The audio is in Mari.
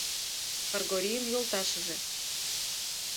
КЫРГОРИЙЫН ЙОЛТАШЫЖЕ